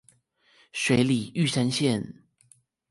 水里玉山線